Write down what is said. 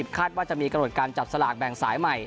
คาดว่าจะมีกำหนดการจับสลากแบ่งสายใหม่